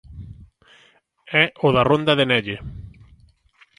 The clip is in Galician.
É o da Ronda de Nelle.